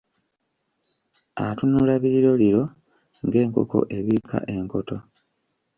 Atunula biriroliro, ng’enkoko ebiika enkoto.